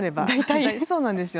そうなんですよ。